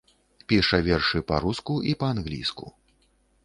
Піша вершы па-руску і па-англійску.